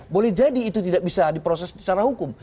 boleh jadi itu tidak bisa diproses secara hukum